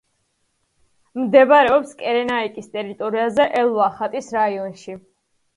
მდებარეობს კირენაიკის ტერიტორიაზე, ელ-ვახატის რაიონში.